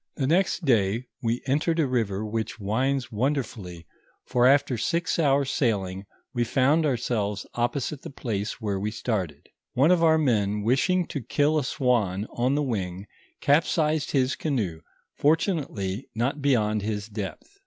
* The next dny we entered a river which winds wonderfully, for after six hours Bailing;, we found ourselves opposite the place where wo started. One of our men wishing to kill a swan on the wing, capsized his canoe, fortunately not beyond his depth.